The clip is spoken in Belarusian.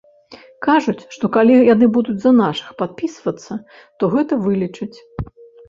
Кажуць, што калі яны будуць за нашых падпісвацца, то гэта вылічаць.